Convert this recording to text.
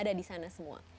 ada di sana semua